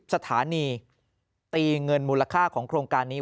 สถานีตีเงินมูลค่าของโครงการนี้